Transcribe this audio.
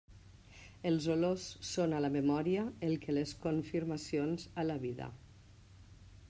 Les olors són a la memòria el que les confirmacions a la vida.